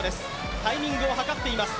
タイミングをはかっています。